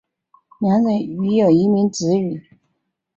两人育有一名子女。